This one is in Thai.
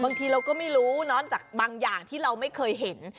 บางทีเราก็ไม่รู้เนอะจากบางอย่างที่เราไม่เคยเห็น